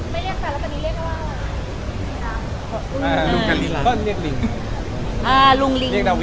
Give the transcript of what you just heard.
เรียกแฟนแล้วตอนนี้เรียกว่า